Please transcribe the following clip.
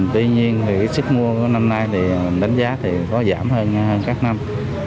tuy nhiên thì cái sức mùa năm nay thì đánh giá thì có giảm hơn các năm